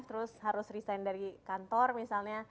terus harus resign dari kantor misalnya